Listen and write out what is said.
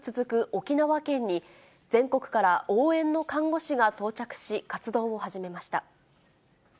沖縄県に、全国から応援の看護師が到着し、活動を始めました。